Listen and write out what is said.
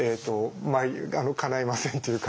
かないませんっていうか。